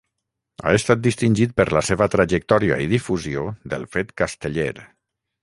Ha estat distingit per la seva trajectòria i difusió del fet casteller.